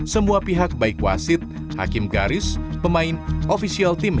semua pihak baik wasit hakim garis pemain ofisial tim